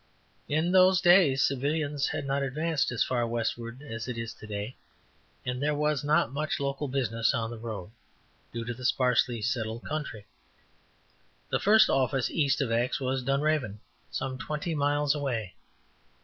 In those days civilization had not advanced as far westward as it is to day, and there was not much local business on the road, due to the sparsely settled country. The first office east of X was Dunraven, some twenty miles away.